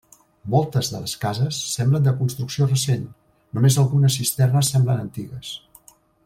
Moltes de les cases semblen de construcció recent, només algunes cisternes semblen antigues.